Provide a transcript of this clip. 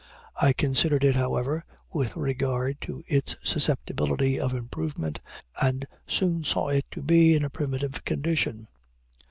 I considered it, however, with regard to its susceptibility of improvement, and soon saw it to be in a primitive condition.